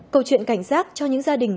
câu chuyện cảnh giác cho những gia đình